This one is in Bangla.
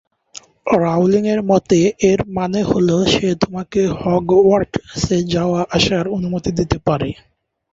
রাউলিং এর মতে, "এর মানে হল, সে তোমাকে হগওয়ার্টসে যাওয়া আসার অনুমতি দিতে পারে।"